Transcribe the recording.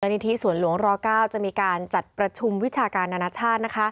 นิธิสวนหลวงร๙จะมีการจัดประชุมวิชาการนานาชาติ